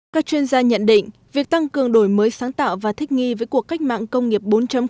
các chuyên gia nhận định việc tăng cường đổi mới sáng tạo và thích nghi với cuộc cách mạng công nghiệp bốn